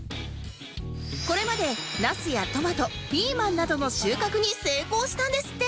これまでナスやトマトピーマンなどの収穫に成功したんですって！